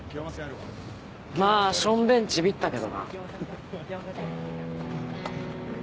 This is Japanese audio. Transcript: まあションベンちびったけどな。